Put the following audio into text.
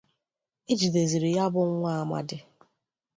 e jidezịrị ya bụ nwa amadi